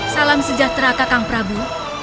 salam sejahtera katang prabu